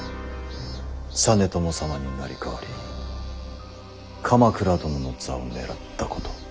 実朝様に成り代わり鎌倉殿の座を狙ったこと。